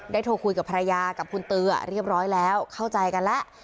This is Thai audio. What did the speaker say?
โทรคุยกับภรรยากับคุณตือเรียบร้อยแล้วเข้าใจกันแล้ว